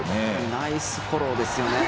ナイスフォローですよね。